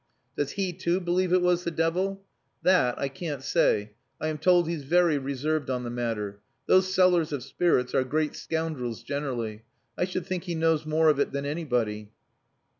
"Does he, too, believe it was the devil?" "That I can't say. I am told he's very reserved on the matter. Those sellers of spirits are great scoundrels generally. I should think he knows more of it than anybody."